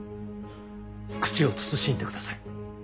口を慎んでください。